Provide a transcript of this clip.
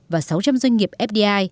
và sáu trăm linh doanh nghiệp fdi